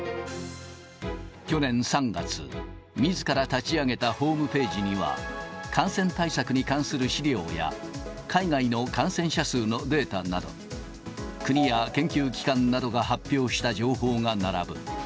去年３月、みずから立ち上げたホームページには、感染対策に関する資料や、海外の感染者数のデータなど、国や研究機関などが発表した情報が並ぶ。